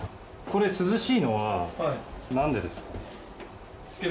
これ、涼しいのは、なんでですか？